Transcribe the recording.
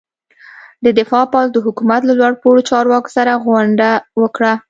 د دفاع پوځ د حکومت له لوړ پوړو چارواکو سره غونډه وکړه.